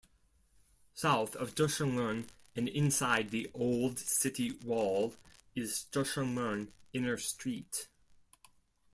South of Deshengmen and inside the old city wall is Deshengmen Inner Street.